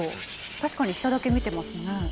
確かに下だけ見てますね。